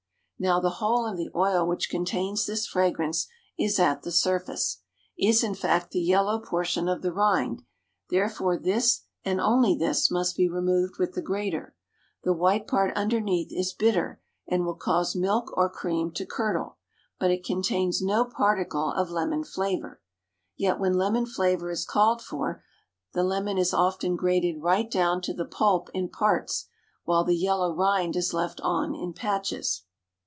Now the whole of the oil which contains this fragrance is at the surface is, in fact, the yellow portion of the rind; therefore this, and only this, must be removed with the grater. The white part underneath is bitter, and will cause milk or cream to curdle, but it contains no particle of lemon flavor. Yet when lemon flavor is called for the lemon is often grated right down to the pulp in parts, while the yellow rind is left on in patches.